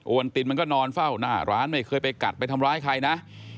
วนตินมันก็นอนเฝ้าหน้าร้านไม่เคยไปกัดไปทำร้ายใครนะ